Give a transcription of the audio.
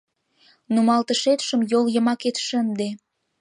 — Нумалтышетшым йол йымакет шынде.